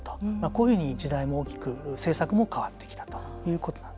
こういうふうに時代も政策も変わってきた。